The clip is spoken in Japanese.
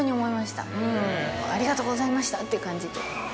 もうありがとうございました！っていう感じで。